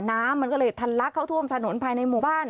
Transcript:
น้ำมันก็เลยทันลักเข้าท่วมถนนภายในหมู่บ้าน